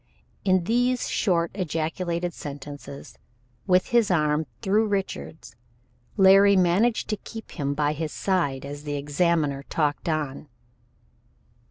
In these short ejaculated sentences, with his arm through Richard's, Larry managed to keep him by his side as the examiner talked on.